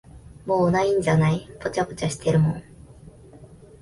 もう無いんじゃない、ぽちゃぽちゃしてるもん。